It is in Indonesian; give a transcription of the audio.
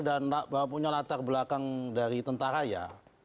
dan punya latar belakang dari tentara ya